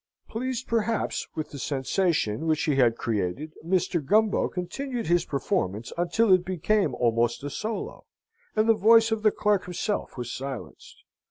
Pleased, perhaps, with the sensation which he had created, Mr. Gumbo continued his performance until it became almost a solo, and the voice of the clerk himself was silenced.